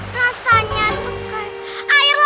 rasanya tuh kayak